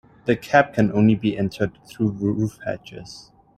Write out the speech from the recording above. The cab can only be entered through roof hatches.